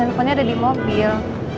handphonenya ada di mobil